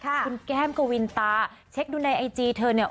คุณแก้มกวินตาเช็คดูในไอจีเธอเนี่ย